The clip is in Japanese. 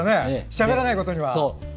しゃべらないことには。